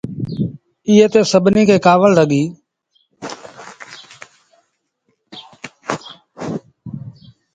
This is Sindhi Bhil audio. ايئي تي سڀنيٚ کي ڪآوڙ لڳيٚ۔